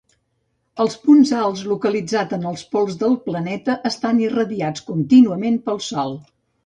Els punts alts localitzats en els pols del planeta estan irradiats contínuament pel Sol.